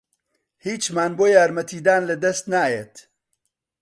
هیچمان بۆ یارمەتیدان لەدەست نایەت.